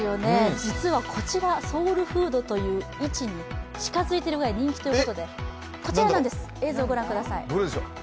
実はこちら、ソウルフードという位置に近づいているぐらい人気ということで、こちらなんです。